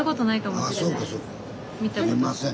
すいません。